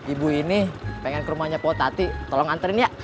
ibu ini pengen ke rumahnya pak tati tolong antarin ya